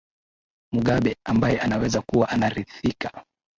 mugabe ambaye anaweza kuwa anaridhika